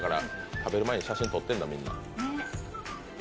食べる前に写真撮ってるんだ、みんな。